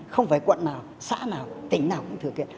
không phải quận nào xã nào tỉnh nào cũng thực hiện